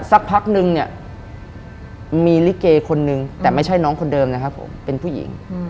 สักพักนึงเนี่ยมีลิเกคนนึงแต่ไม่ใช่น้องคนเดิมนะครับผมเป็นผู้หญิง